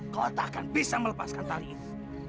kau tak akan bisa melepaskan tali itu